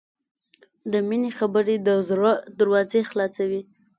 د مینې خبرې د زړه دروازې خلاصوي.